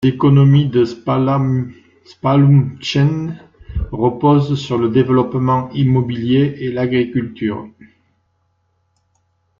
L’économie de Spallumcheen repose sur le développement immobilier et l'agriculture.